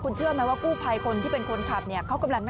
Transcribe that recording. คุณเชื่อไหมว่ากู้ไพคนที่เป็นคนขับเนี่ย